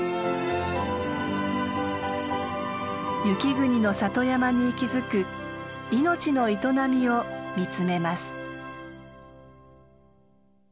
雪国の里山に息づく命の営みを見つめます。